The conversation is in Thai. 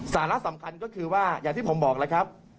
สาระสำคัญก็คือว่าอย่างที่ผมบอกแล้วครับ